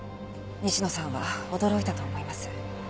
西野さんは驚いたと思います。